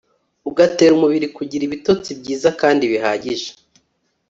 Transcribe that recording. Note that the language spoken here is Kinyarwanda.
ugatera umubiri kugira ibitotsi byiza kandi bihagije